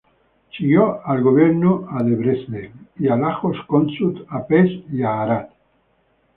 Siguió al gobierno a Debrecen y a Lajos Kossuth a Pest y a Arad.